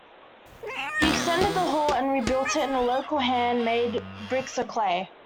He extended the Hall and rebuilt it in local hand made bricks of clay.